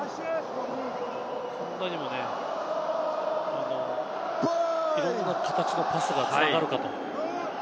こんなにもいろんな形のパスがつながるのも。